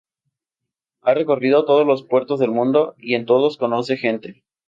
Ha recorrido todos los puertos del mundo y en todos conoce gente.